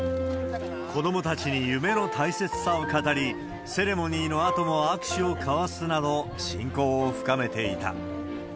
子どもたちに夢の大切さを語り、セレモニーのあとも握手を交わすなど、親交を深めていた。